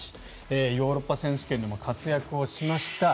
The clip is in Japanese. ヨーロッパ選手権でも活躍をしました。